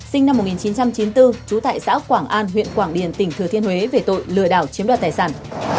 sinh năm một nghìn chín trăm chín mươi bốn trú tại xã quảng an huyện quảng điền tỉnh thừa thiên huế về tội lừa đảo chiếm đoạt tài sản